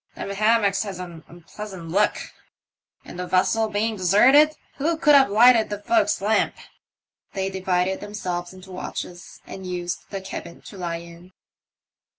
Them hammocks has an onpleasant look ... and the vessel being desarted, who could have lighted the fo'ksle lamp ?" They divided themselves into watches, and used the cabin to lie in.